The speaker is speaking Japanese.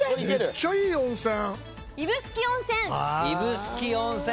めっちゃいい温泉。